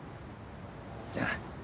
じゃあな。